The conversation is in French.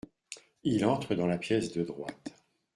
Il entre dans la pièce de droite.